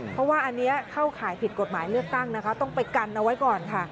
เพราะว่าอันนี้เข้าข่ายผิดกฎหมายเลือกตั้งนะคะต้องไปกันเอาไว้ก่อนค่ะ